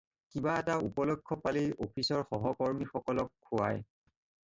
কিবা এটা উপলক্ষ পালেই অফিচৰ সহকৰ্মী সকলক খুৱায়।